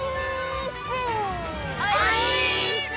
オィーッス！